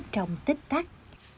trong tích tắc